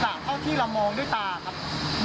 เท่าที่เรามองด้วยตาครับ